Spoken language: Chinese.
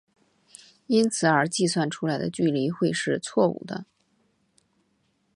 因此而计算出来的距离会是错武的。